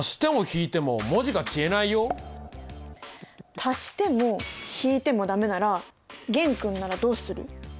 足しても引いてもダメなら玄君ならどうする？